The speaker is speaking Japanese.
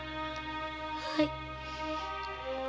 はい。